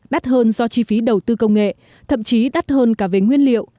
đắt hơn do chi phí đầu tư công nghệ thậm chí đắt hơn cả về nguyên liệu